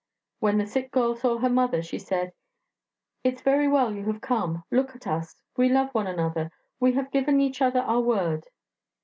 When the sick girl saw her mother she said: 'It's very well you have come; look at us, we love one another we have given each other our word.'